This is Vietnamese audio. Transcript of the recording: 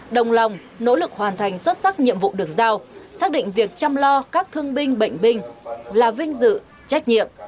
đồng lòng nỗ lực hoàn thành xuất sắc nhiệm vụ được giao xác định việc chăm lo các thương binh bệnh binh là vinh dự trách nhiệm